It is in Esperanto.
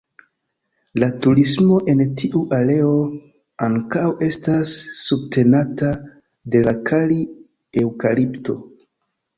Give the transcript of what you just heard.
La turismo en tiu areo ankaŭ estas subtenata de la kari-eŭkalipto.